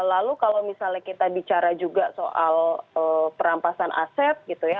lalu kalau misalnya kita bicara juga soal perampasan aset gitu ya